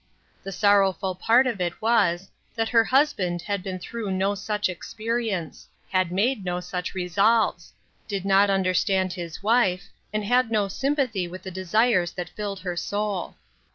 The sorrowful part of it was, that her husband had been through no such experience; had made no such resolves ; did not understand PLANTS THAT HAD BLOSSOMED. 1 5 his wife, and had no sympathy with the desires that filled her soul.